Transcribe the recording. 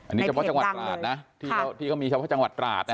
อันนี้เฉพาะจังหวัดตราดนะที่เขามีเฉพาะจังหวัดตราดนะ